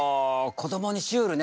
こどもにシュールね。